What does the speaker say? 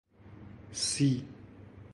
سی